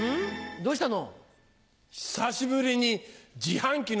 どうしたの？